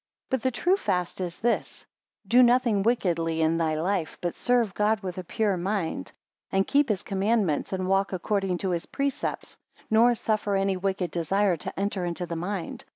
5 But the true fast is this: Do nothing wickedly in thy life, but serve God with a pure mind; and keep his commandments, and walk according to his precepts, nor suffer any wicked desire to enter into the mind.